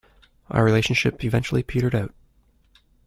Our relationship eventually petered out.